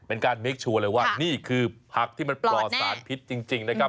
เป็นการเมคชัวร์เลยว่านี่คือผักที่มันปลอดสารพิษจริงนะครับ